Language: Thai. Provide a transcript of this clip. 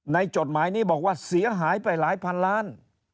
จดหมายนี้บอกว่าเสียหายไปหลายพันล้าน